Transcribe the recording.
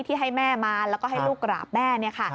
ที่ให้แม่มาแล้วก็ให้ลูกกราบแม่เนี่ยค่ะ